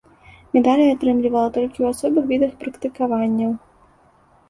Медалі атрымлівала толькі ў асобных відах практыкаванняў.